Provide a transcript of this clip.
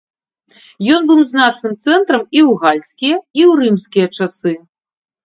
Ён быў значным цэнтрам і ў гальскія, і ў рымскія часы.